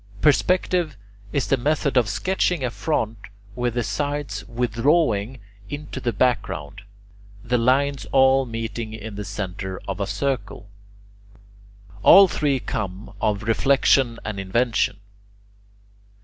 Perspective is the method of sketching a front with the sides withdrawing into the background, the lines all meeting in the centre of a circle. All three come of reflexion and invention.